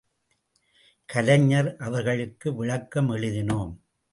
கலைஞர் அவர்களுக்கு விளக்கம் எழுதினோம்!